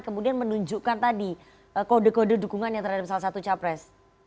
kemudian menunjukkan tadi kode kode dukungan yang terhadap salah satu capres